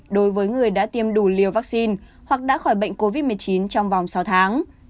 đối với người đã tiêm đủ liều vaccine hoặc đã khỏi bệnh covid một mươi chín trong vòng sáu tháng